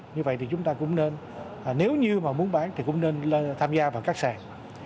như vậy thì chúng ta cũng nên nếu như mà muốn bán thì cũng nên tham gia vào các sàn